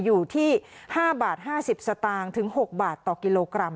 อยู่ที่๕บาท๕๐สตางค์ถึง๖บาทต่อกิโลกรัม